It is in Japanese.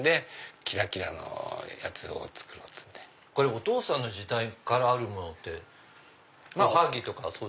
お父さんの時代からあるものっておはぎとか？